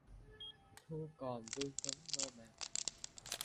Thu còn vương vấn mơ màng